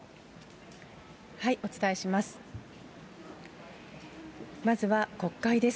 お伝えします。